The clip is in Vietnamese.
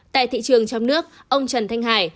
tại thị trường trong nước ông trần thanh hải